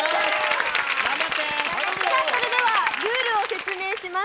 それではルールを説明します。